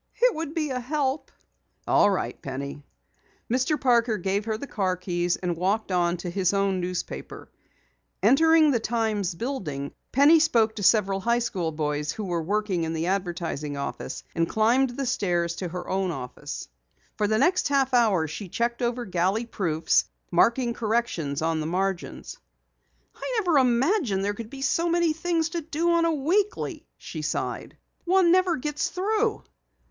"It would be a help." "All right, Penny." Mr. Parker gave her the car keys, and walked on to his own newspaper. Entering the Times building, Penny spoke to several high school boys who were working in the advertising office, and climbed the stairs to her own office. For the next half hour she checked over galley proofs, marking corrections on the margins. "I never imagined there could be so many things to do on a weekly," she sighed. "One never gets through."